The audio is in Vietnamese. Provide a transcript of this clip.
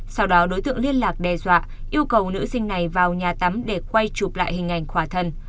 sau đó đối tượng liên lạc đe dọa yêu cầu nữ sinh này vào nhà tắm để quay chụp lại hình ảnh khỏa thân